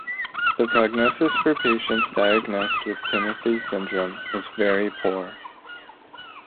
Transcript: The prognosis for patients diagnosed with Timothy syndrome is very poor.